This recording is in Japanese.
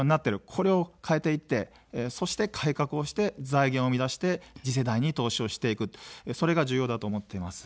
これを変えていって、そして改革をして、財源を生み出して次世代に投資をしていく、それが重要だと思っています。